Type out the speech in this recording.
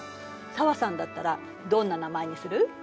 紗和さんだったらどんな名前にする？